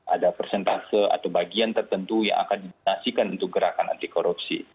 ada persentase atau bagian tertentu yang akan dinasikan untuk gerakan anti korupsi